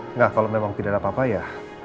enggak kalau memang tidak ada apa apa ya